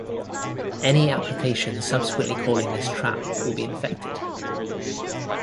Any application subsequently calling this trap will be infected.